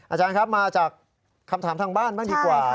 อาจารย์ครับมาจากคำถามทางบ้านบ้างดีกว่า